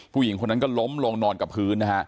ผู้หญิงคนนั้นก็ล้มลงนอนกับพื้นนะฮะ